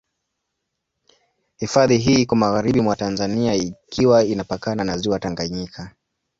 Hifadhi hii iko magharibi mwa Tanzania ikiwa inapakana na Ziwa Tanganyika.